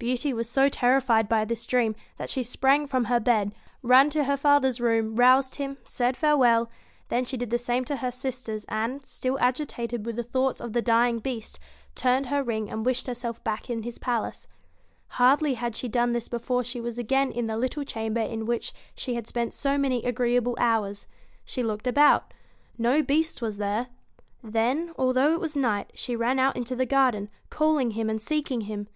Beauty was so terrified by this dream that she sprang from her bed, hastily clothed herself, ran to her father's room, roused him, said farewell; then she did the same to her sisters, and, still agitated with the thoughts of the dying Beast, turned her ring and wished herself back again in his palace. Hardly had she done this before she was again in the little chamber in which she had spent so many agreeable hours. She looked about ; no Beast was there. Then, although it was night, she ran out into the garden, calling him and seeking him.